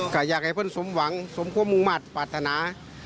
ก็อยากให้เพื่อนสมหวังสมความมุ่งมั่นปรารถนา